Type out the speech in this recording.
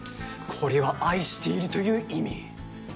これは愛しているという意味